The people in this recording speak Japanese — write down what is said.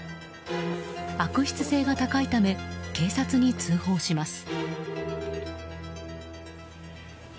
悪質性が高いため警察に通報します。